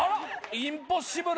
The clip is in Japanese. インポッシブル。